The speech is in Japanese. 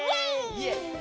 イエーイ！